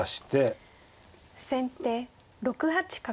先手６八角。